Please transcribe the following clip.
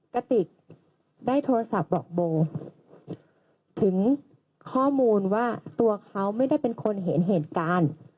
กระติกได้โทรศัพท์บอกโบถึงข้อมูลว่าตัวเขาไม่ได้เป็นคนเห็นเหตุการณ์